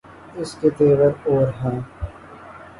اس کے تیور اور ہیں۔